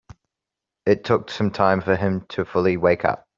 It took some time for him to fully wake up.